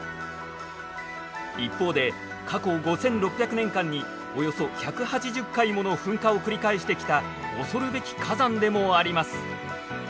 一方で過去５，６００年間におよそ１８０回もの噴火を繰り返してきた恐るべき火山でもあります。